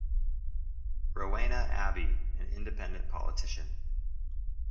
Rowena Abbey, an independent politician.